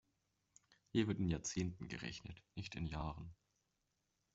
Hier wird in Jahrzehnten gerechnet, nicht in Jahren.